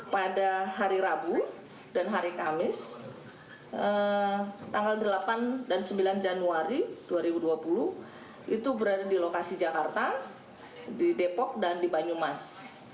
pada hari rabu dan hari kamis tanggal delapan dan sembilan januari dua ribu dua puluh itu berada di lokasi jakarta di depok dan di banyumas